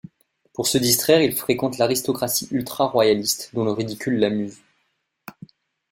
Pour se distraire, il fréquente l'aristocratie ultraroyaliste dont le ridicule l’amuse.